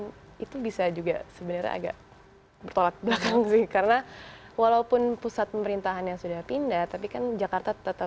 itu bisa juga sebenarnya agak bertolak belakang sih karena walaupun pusat pemerintahannya sudah pindah tapi kan jakarta tetap